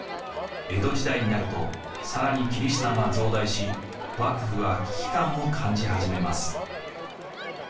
江戸時代になると更にキリシタンは増大し幕府は危機感を感じ始めます。